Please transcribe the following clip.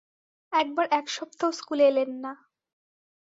একবার এক সপ্তাহ স্কুলে এলেন না।